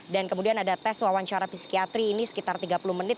dan kemudian ada tes wawancara psikiatri ini sekitar tiga puluh menit